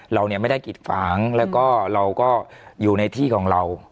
เราเนี่ยไม่ได้กิดฝางแล้วก็เราก็อยู่ในที่ของเรา